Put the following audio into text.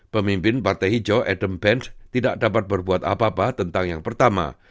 pemimpin partai hijau edem benz tidak dapat berbuat apa apa tentang yang pertama